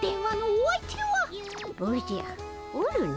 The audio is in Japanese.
おじゃおるの。